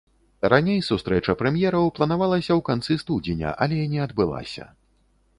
Раней сустрэча прэм'ераў планавалася ў канцы студзеня, але не адбылася.